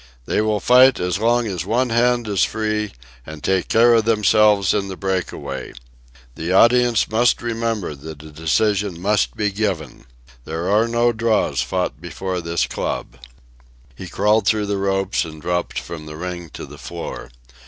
They will fight as long as one hand is free, and take care of themselves in the breakaway. The audience must remember that a decision must be given. There are no draws fought before this club." He crawled through the ropes and dropped from the ring to the floor.